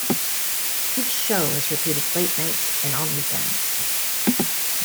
Each show is repeated late nights and on weekends.